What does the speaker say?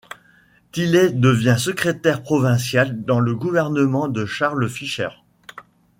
Tilley devient Secrétaire provincial dans le gouvernement de Charles Fisher.